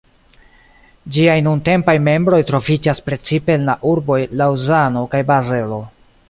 Ĝiaj nuntempaj membroj troviĝas precipe en la urboj Laŭzano kaj Bazelo.